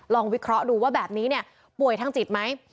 ลองวิเคราะห์ดูว่าแบบนี้ป่วยทั้งจิตไหม